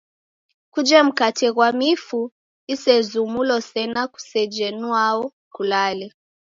Kuje mkate ghwa mifu isezumulo sena kuseje nwao kulale.